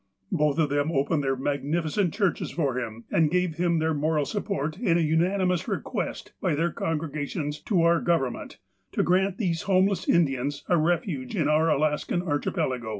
Both of them opened their magnificent churches for him, and gave him tlieir moral sujiport in a unanimous request by their congregations to our Govern ment, to grant these homeless Indians a refuge in our Alaskan Archipelago.